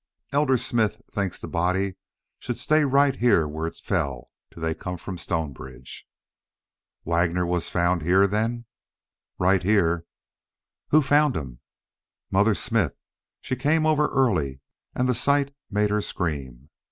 "Elder Smith thinks the body should stay right here where it fell till they come from Stonebridge." "Waggoner was found here, then?" "Right here." "Who found him?" "Mother Smith. She came over early. An' the sight made her scream.